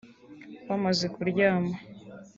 Bamaze kuryama